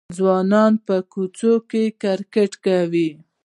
ځوانان په کوڅو کې کرکټ کوي.